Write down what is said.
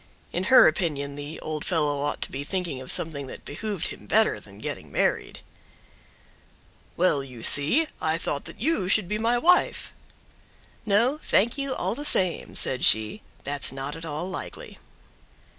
In her opinion the old fellow ought to be thinking of something that behooved him better than getting married. "Well, you see, I thought that you should be my wife!" "No, thank you all the same," said she, "that's not at all likely."